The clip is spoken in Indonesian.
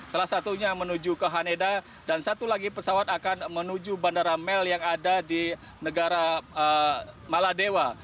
salah satunya menuju ke haneda dan satu lagi pesawat akan menuju bandara mel yang ada di negara maladewa